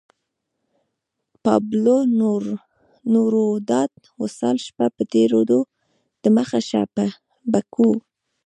پابلو نوروداد وصال شپه په تېرېدو ده مخه شه به کوو